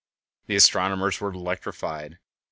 The astronomers were electrified.